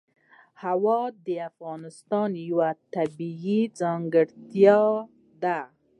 هوا د افغانستان یوه طبیعي ځانګړتیا ده.